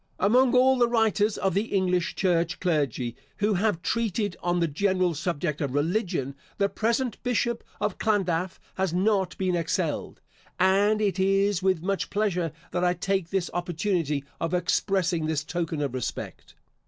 Among all the writers of the English church clergy, who have treated on the general subject of religion, the present Bishop of Llandaff has not been excelled, and it is with much pleasure that I take this opportunity of expressing this token of respect.